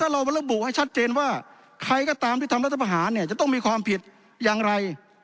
ดังนั้นเราได้บรรทบุอกไว้ชัดเจนว่าใครก็ตามที่ทำรัฐภาฐานจะต้องมีความผิดอย่างไร